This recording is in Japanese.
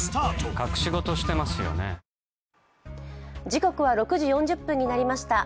時刻は６時４０分になりました